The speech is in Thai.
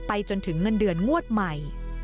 จนถึงเงินเดือนงวดใหม่